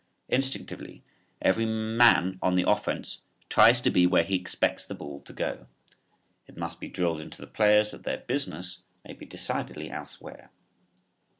Instinctively every man on the offense tries to be where he expects the ball to go. It must be drilled into the players that their "business" may be decidedly elsewhere.